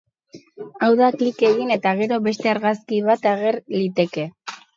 Hau da, klik egin eta gero beste argazki bat ager liteke.